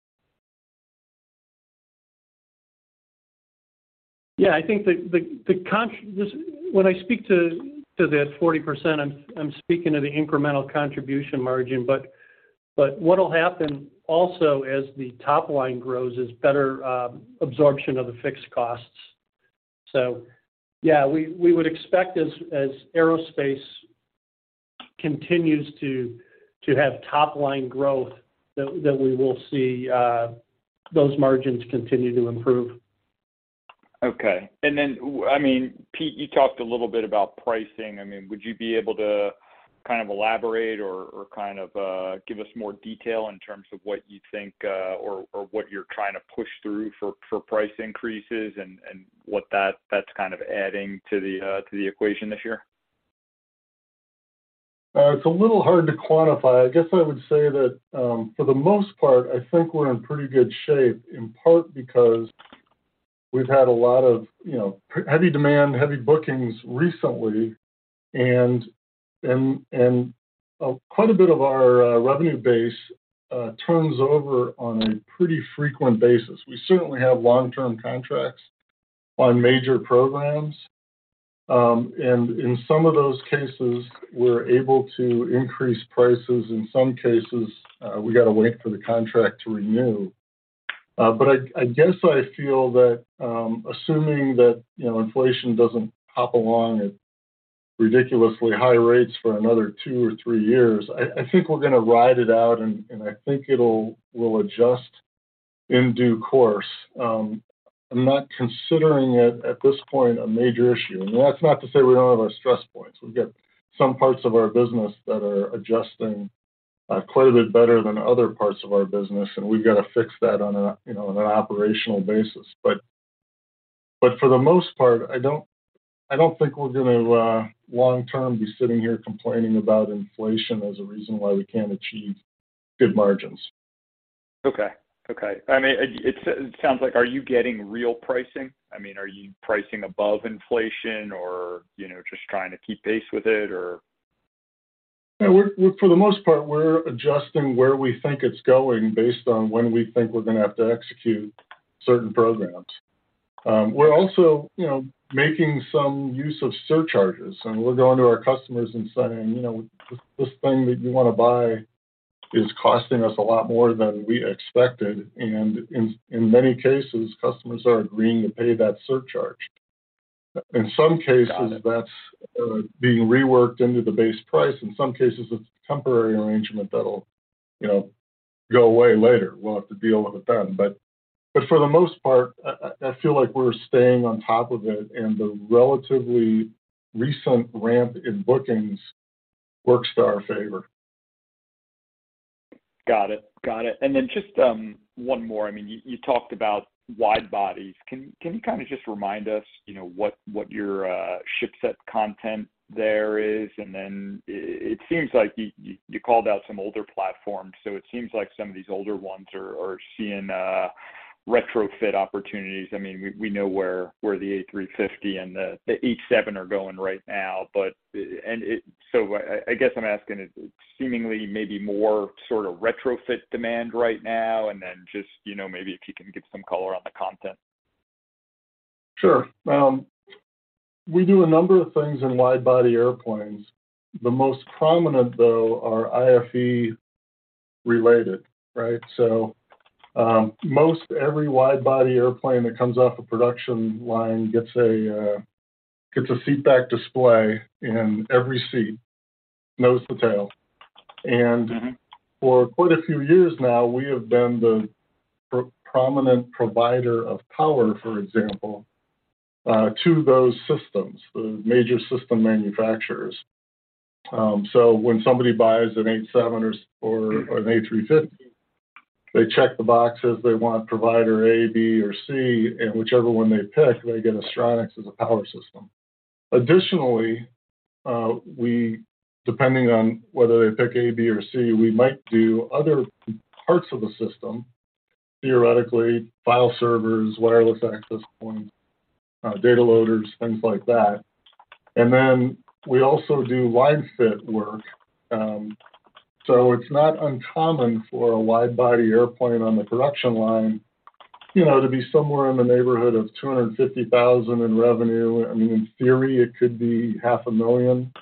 S4: Yeah. I think Just when I speak to that 40%, I'm speaking to the incremental contribution margin. What'll happen also as the top line grows is better absorption of the fixed costs. Yeah, we would expect as aerospace continues to have top-line growth that we will see those margins continue to improve.
S6: Okay. I mean, Pete, you talked a little bit about pricing. I mean, would you be able to kind of elaborate or kind of give us more detail in terms of what you think or what you're trying to push through for price increases and what that's kind of adding to the equation this year?
S3: It's a little hard to quantify. I guess I would say that, for the most part, I think we're in pretty good shape, in part because we've had a lot of, you know, heavy demand, heavy bookings recently. Quite a bit of our revenue base, turns over on a pretty frequent basis. We certainly have long-term contracts on major programs. In some of those cases, we're able to increase prices. In some cases, we got to wait for the contract to renew. I guess I feel that, assuming that, you know, inflation doesn't hop along at ridiculously high rates for another two or three years, I think we're gonna ride it out, and I think we'll adjust in due course. I'm not considering it at this point a major issue. That's not to say we don't have our stress points. We've got some parts of our business that are adjusting quite a bit better than other parts of our business, and we've got to fix that on a, you know, on an operational basis. But for the most part, I don't think we're gonna long term, be sitting here complaining about inflation as a reason why we can't achieve good margins.
S6: Okay. Okay. I mean, it sounds like are you getting real pricing? I mean, are you pricing above inflation or, you know, just trying to keep pace with it or?
S3: Yeah. We're for the most part, we're adjusting where we think it's going based on when we think we're gonna have to execute certain programs. We're also, you know, making some use of surcharges, and we're going to our customers and saying, "You know, this thing that you wanna buy is costing us a lot more than we expected." In many cases, customers are agreeing to pay that surcharge. In some cases.
S6: Got it.
S3: -that's being reworked into the base price. In some cases, it's a temporary arrangement that'll, you know, go away later. We'll have to deal with it then. For the most part, I feel like we're staying on top of it, and the relatively recent ramp in bookings works to our favor.
S6: Got it. Got it. Then just, one more. I mean, you talked about wide bodies. Can you kind of just remind us, you know, what your ship set content there is? Then it seems like you called out some older platforms, so it seems like some of these older ones are seeing retrofit opportunities. I mean, we know where the A350 and the 787 are going right now, but. I guess I'm asking is it seemingly maybe more sort of retrofit demand right now? Then just, you know, maybe if you can give some color on the content.
S3: Sure. We do a number of things in wide-body airplanes. The most prominent, though, are IFE related, right? Most every wide-body airplane that comes off a production line gets a seat back display in every seat, nose to tail. For quite a few years now, we have been the prominent provider of power, for example, to those systems, the major system manufacturers. When somebody buys a 787 or an A350, they check the boxes. They want provider A, B, or C, and whichever one they pick, they get Astronics as a power system. Additionally, we... depending on whether they pick A, B, or C, we might do other parts of the system, theoretically, file servers, wireless access points, data loaders, things like that. We also do wide fit work. It's not uncommon for a wide body airplane on the production line, you know, to be somewhere in the neighborhood of $250,000 in revenue. I mean, in theory, it could be half a million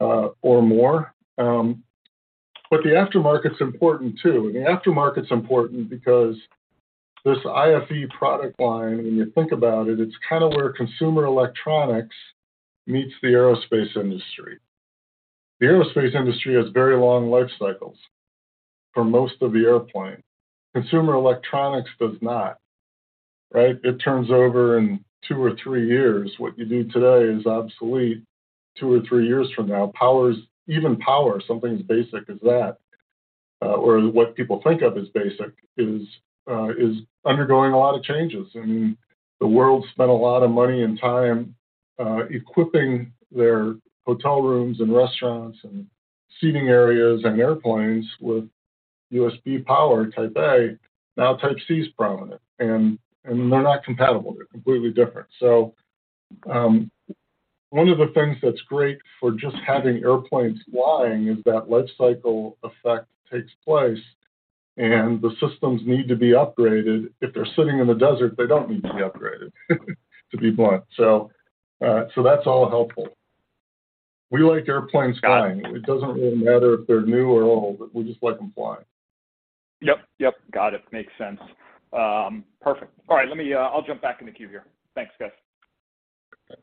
S3: or more. The aftermarket's important too. The aftermarket's important because this IFE product line, when you think about it's kind of where consumer electronics meets the aerospace industry. The aerospace industry has very long life cycles for most of the airplane. Consumer electronics does not, right? It turns over in two or three years. What you do today is obsolete two or three years from now. Even power, something as basic as that, or what people think of as basic is undergoing a lot of changes. I mean, the world spent a lot of money and time, equipping their hotel rooms and restaurants and seating areas and airplanes with USB Type-A. Now USB Type-C is prominent. They're not compatible. They're completely different. One of the things that's great for just having airplanes flying is that life cycle effect takes place, and the systems need to be upgraded. If they're sitting in the desert, they don't need to be upgraded to be blunt. That's all helpful. We like airplanes flying.
S6: Got it.
S3: It doesn't really matter if they're new or old. We just like them flying.
S6: Yep. Got it. Makes sense. Perfect. All right. Let me, I'll jump back in the queue here. Thanks, guys.
S3: Okay.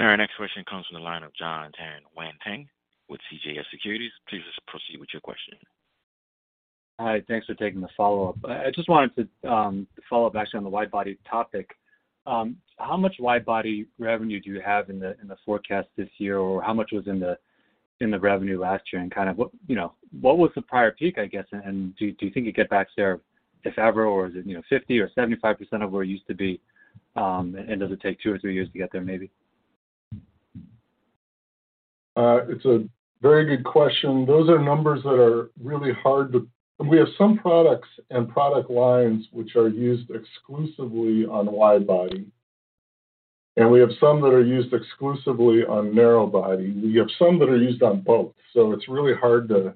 S1: All right. Next question comes from the line of John Tanwanteng with CJS Securities. Please just proceed with your question.
S5: Hi, thanks for taking the follow-up. I just wanted to follow back on the wide body topic. How much wide body revenue do you have in the, in the forecast this year? Or how much was in the, in the revenue last year? Kind of what, you know, what was the prior peak, I guess? Do you think you get back there, if ever? Or is it, you know, 50% or 75% of where it used to be? Does it take two or three years to get there, maybe?
S3: It's a very good question. Those are numbers that are really hard to. We have some products and product lines which are used exclusively on wide body, and we have some that are used exclusively on narrow body. We have some that are used on both. It's really hard to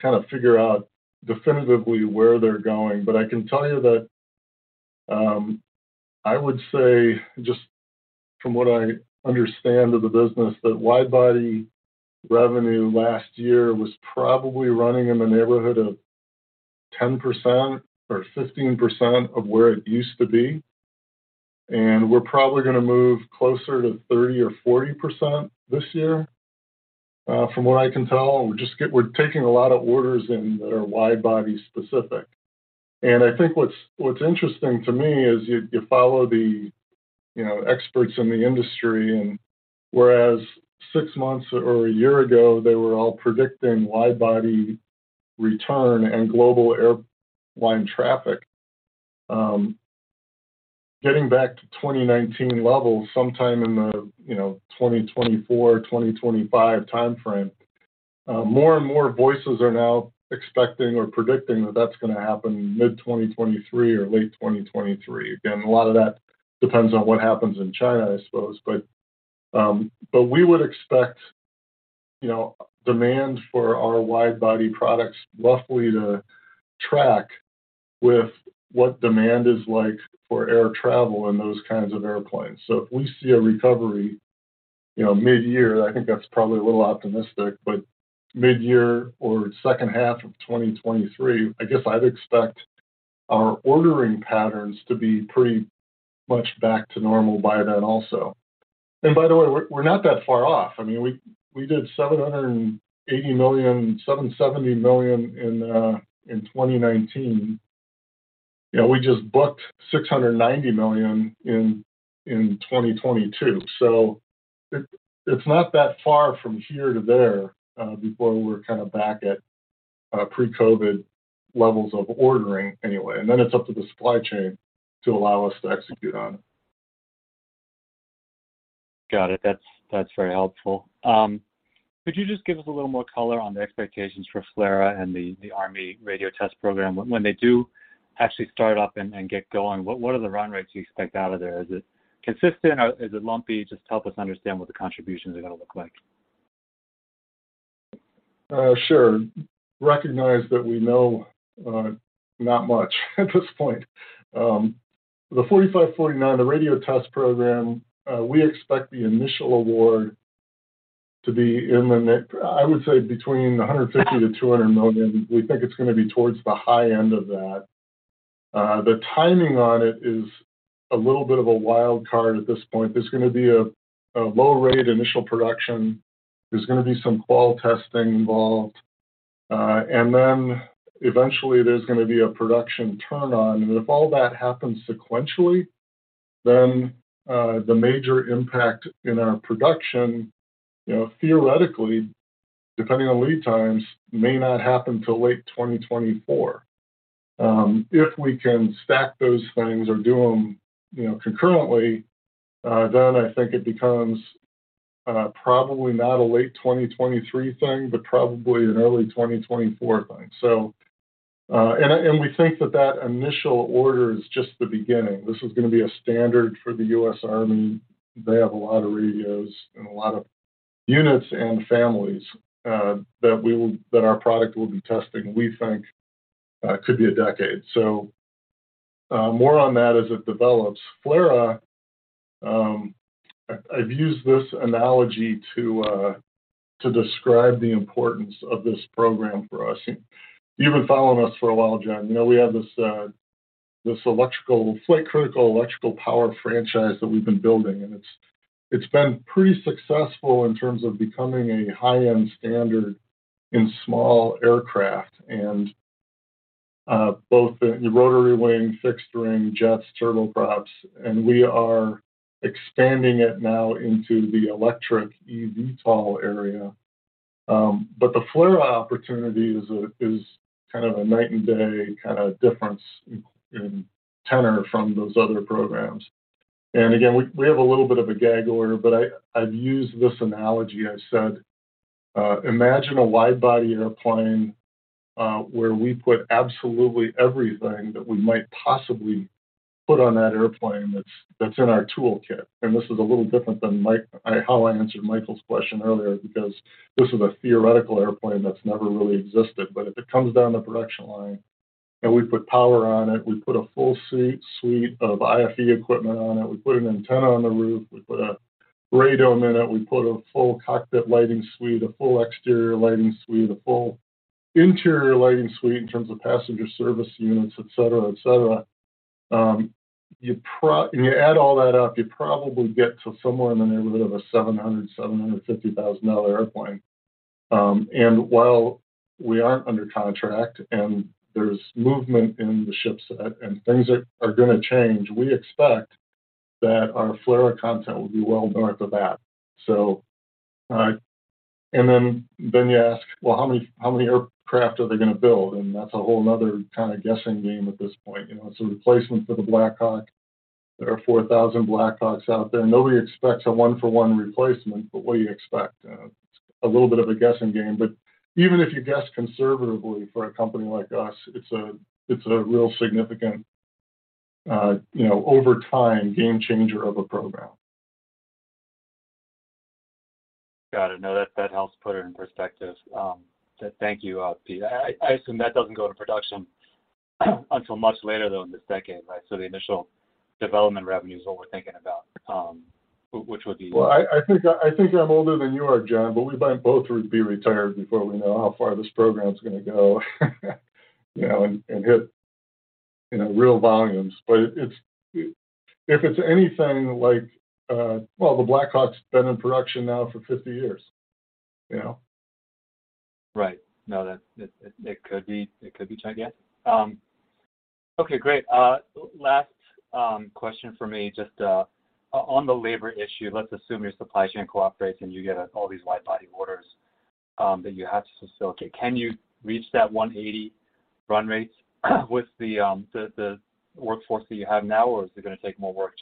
S3: kind of figure out definitively where they're going. I can tell you that, I would say, just from what I understand of the business, that wide body revenue last year was probably running in the neighborhood of 10% or 15% of where it used to be. We're probably gonna move closer to 30% or 40% this year, from what I can tell. We're just we're taking a lot of orders in that are wide body specific. I think what's interesting to me is you follow the, you know, experts in the industry, and whereas 6 months or 1 year ago, they were all predicting wide-body return and global airline traffic, getting back to 2019 levels sometime in the, you know, 2024, 2025 timeframe. More and more voices are now expecting or predicting that that's gonna happen mid-2023 or late 2023. Again, a lot of that depends on what happens in China, I suppose. We would expect, you know, demand for our wide-body products roughly to track with what demand is like for air travel in those kinds of airplanes. If we see a recovery, you know, mid-year, I think that's probably a little optimistic, but mid-year or second half of 2023, I guess I'd expect our ordering patterns to be pretty much back to normal by then also. By the way, we're not that far off. I mean, we did $780 million, $770 million in 2019. You know, we just booked $690 million in 2022. It's not that far from here to there before we're kinda back at pre-COVID levels of ordering anyway. Then it's up to the supply chain to allow us to execute on it.
S5: Got it. That's very helpful. Could you just give us a little more color on the expectations for FLRAA and the Army Radio Test Program? When they do actually start up and get going, what are the run rates you expect out of there? Is it consistent or is it lumpy? Just help us understand what the contributions are gonna look like.
S3: Sure. Recognize that we know not much at this point. The 4549, the radio test program, we expect the initial award to be I would say between $150 million-$200 million. We think it's gonna be towards the high end of that. The timing on it is a little bit of a wild card at this point. There's gonna be a low-rate initial production. There's gonna be some qual testing involved. Eventually there's gonna be a production turn on. If all that happens sequentially, then, the major impact in our production, you know, theoretically, depending on lead times, may not happen till late 2024. If we can stack those things or do them, you know, concurrently, then I think it becomes probably not a late 2023 thing, but probably an early 2024 thing. We think that that initial order is just the beginning. This is gonna be a standard for the U.S. Army. They have a lot of radios and a lot of units and families that our product will be testing. We think could be a decade. More on that as it develops. FLRAA, I've used this analogy to describe the importance of this program for us. You, you've been following us for a while, John. You know we have this electrical flight critical electrical power franchise that we've been building, and it's been pretty successful in terms of becoming a high-end standard in small aircraft and both the rotary wing, fixed wing jets, turboprops, and we are expanding it now into the electric eVTOL area. The FLRAA opportunity is kind of a night and day kinda difference in tenor from those other programs. Again, we have a little bit of a gag order, but I've used this analogy. I said, "Imagine a wide body airplane where we put absolutely everything that we might possibly put on that airplane that's in our toolkit." This is a little different than Mike how I answered Michael's question earlier, because this is a theoretical airplane that's never really existed. If it comes down the production line, and we put power on it, we put a full suite of IFE equipment on it, we put an antenna on the roof, we put a radome in it, we put a full cockpit lighting suite, a full exterior lighting suite, a full interior lighting suite in terms of passenger service units, et cetera, et cetera. When you add all that up, you probably get to somewhere in the neighborhood of a $700,000-$750,000 airplane. While we aren't under contract, and there's movement in the ship set, and things are gonna change, we expect that our FLRAA content will be well north of that. You ask, "Well, how many aircraft are they gonna build?" That's a whole another kind of guessing game at this point. You know, it's a replacement for the Black Hawk. There are 4,000 Black Hawks out there. Nobody expects a one-for-one replacement, but what do you expect? It's a little bit of a guessing game. Even if you guess conservatively for a company like us, it's a real significant, you know, over time, game-changer of a program.
S5: Got it. No, that helps put it in perspective. Thank you, Pete. I assume that doesn't go to production until much later, though, in this decade, right? The initial development revenue is what we're thinking about, which would be.
S3: Well, I think I'm older than you are, John, but we might both be retired before we know how far this program's gonna go, you know, and hit, you know, real volumes. It's, if it's anything like, Well, the Black Hawk's been in production now for 50 years, you know?
S5: Right. No, that It could be, yeah. Okay, great. Last question from me, just on the labor issue, let's assume your supply chain cooperates, and you get all these wide body orders that you have to facilitate. Can you reach that 180 run rates with the workforce that you have now, or is it gonna take more work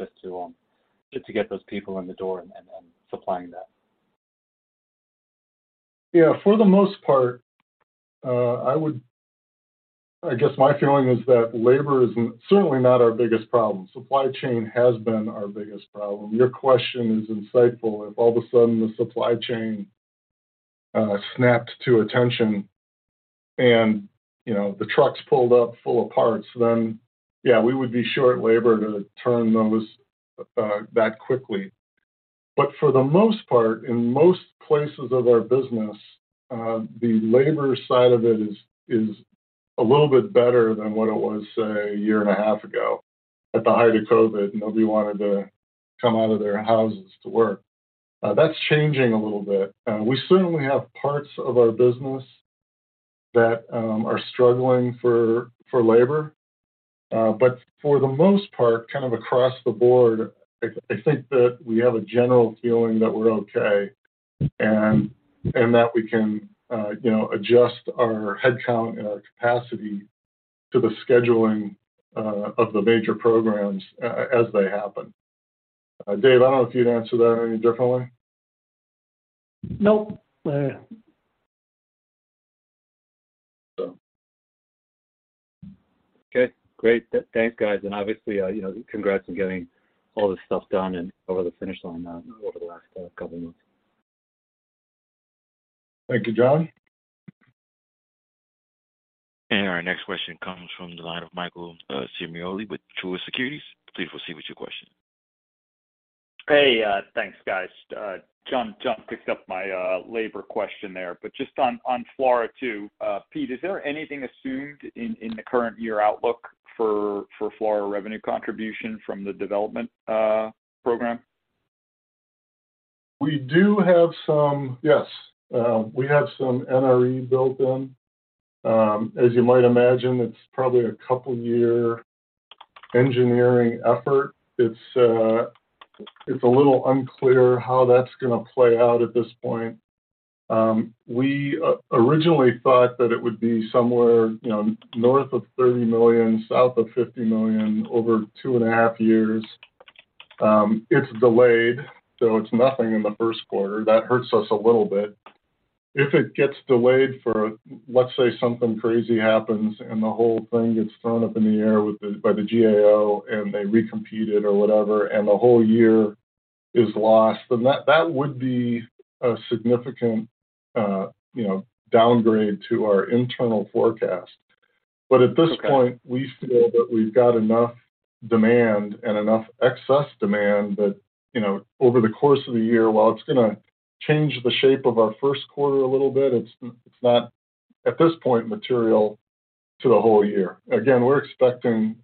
S5: just to get those people in the door and then supplying that?
S3: Yeah, for the most part, I guess my feeling is that labor isn't certainly not our biggest problem. Supply chain has been our biggest problem. Your question is insightful. If all of a sudden the supply chain snapped to attention, and, you know, the trucks pulled up full of parts, then yeah, we would be short labor to turn those that quickly. For the most part, in most places of our business, the labor side of it is a little bit better than what it was, say, a year and a half ago at the height of COVID. Nobody wanted to come out of their houses to work. That's changing a little bit. We certainly have parts of our business that are struggling for labor. For the most part, kind of across the board, I think that we have a general feeling that we're okay and that we can, you know, adjust our headcount and our capacity to the scheduling of the major programs as they happen. Dave, I don't know if you'd answer that any differently.
S5: Nope.
S3: So.
S5: Okay, great. Thanks, guys. Obviously, you know, congrats on getting all this stuff done and over the finish line over the last couple months.
S3: Thank you, John.
S1: Our next question comes from the line of Michael Ciarmoli with Truist Securities. Please proceed with your question.
S6: Hey, thanks, guys. John picked up my labor question there. Just on FLRAA too, Pete, is there anything assumed in the current year outlook for FLRAA revenue contribution from the development program?
S3: We do have some. Yes, we have some NRE built in. As you might imagine, it's probably a couple year engineering effort. It's a little unclear how that's gonna play out at this point. We originally thought that it would be somewhere, you know, north of $30 million, south of $50 million over two and a half years. It's delayed. It's nothing in the first quarter. That hurts us a little bit. If it gets delayed for, let's say, something crazy happens, and the whole thing gets thrown up in the air with the, by the GAO, and they recompeted or whatever, and the whole year is lost, then that would be a significant, you know, downgrade to our internal forecast.
S6: Okay.
S3: At this point, we feel that we've got enough demand and enough excess demand that, you know, over the course of the year, while it's gonna change the shape of our first quarter a little bit, it's not, at this point, material to the whole year. Again, we're expecting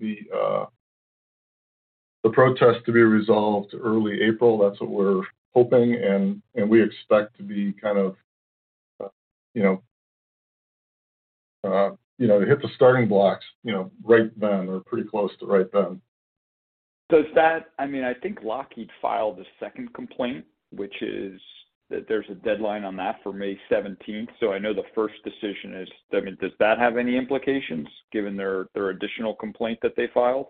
S3: the protest to be resolved early April. That's what we're hoping, and we expect to be kind of, you know, you know, to hit the starting blocks, you know, right then or pretty close to right then.
S6: Does that, I mean, I think Lockheed filed a second complaint, which is, that there's a deadline on that for May 17th. I know the first decision is, I mean, does that have any implications given their additional complaint that they filed?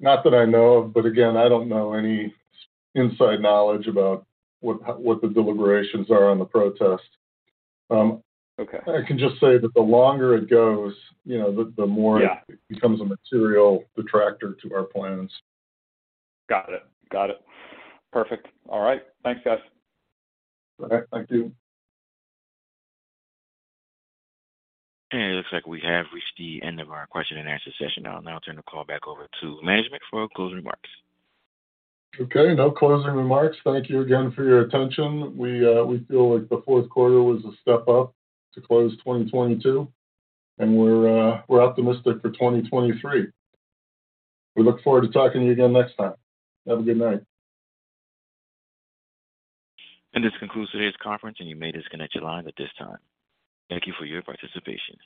S3: Not that I know of. Again, I don't know any inside knowledge about what the deliberations are on the protest.
S6: Okay.
S3: I can just say that the longer it goes, you know, the.
S6: Yeah
S3: it becomes a material detractor to our plans.
S6: Got it. Got it. Perfect. All right. Thanks, guys.
S3: Okay. Thank you.
S1: It looks like we have reached the end of our question and answer session. I'll now turn the call back over to management for closing remarks.
S3: Okay. No closing remarks. Thank you again for your attention. We feel like the fourth quarter was a step up to close 2022, and we're optimistic for 2023. We look forward to talking to you again next time. Have a good night.
S1: This concludes today's conference, and you may disconnect your line at this time. Thank you for your participation.